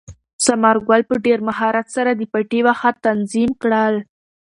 ثمر ګل په ډېر مهارت سره د پټي واښه تنظیم کړل.